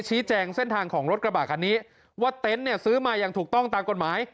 ชี้แจงเส้นทางของรถกระบะคันนี้ว่าเต็นต์เนี่ยซื้อมาอย่างถูกต้องตามกฎหมาย